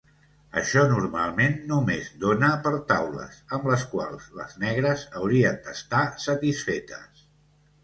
Això normalment només dóna per taules, amb les quals les negres haurien d'estar satisfetes.